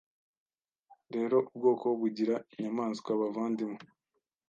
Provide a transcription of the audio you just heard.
Rero ubwoko bugira inyamaswa bavandimwe